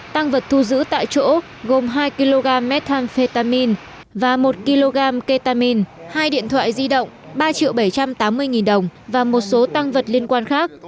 tăng vật thu giữ tại chỗ gồm hai kg methamphetamin và một kg ketamine hai điện thoại di động ba triệu bảy trăm tám mươi nghìn đồng và một số tăng vật liên quan khác